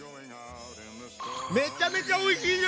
めちゃめちゃおいしいじゃない！